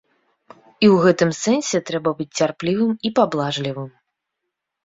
І ў гэтым сэнсе трэба быць цярплівым і паблажлівым.